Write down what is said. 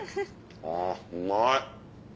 あうまい。